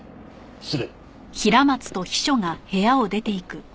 失礼。